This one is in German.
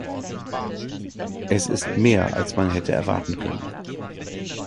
Es ist mehr, als man hätte erwarten können.